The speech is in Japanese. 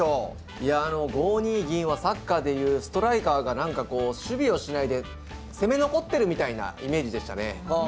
いや５二銀はサッカーで言うストライカーが何か守備をしないで攻め残ってるみたいなイメージでしたね。